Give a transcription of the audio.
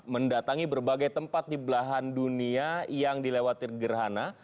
mendatangi berbagai tempat di belahan dunia yang dilewatir gerhana